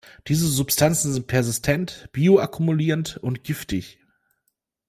Diese Substanzen sind persistent, bioakkumulierend und giftig.